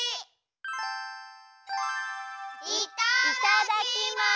いただきます！